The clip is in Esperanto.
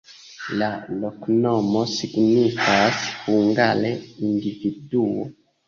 La loknomo signifas hungare: individuo.